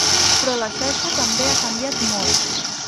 Però la xarxa també ha canviat molt.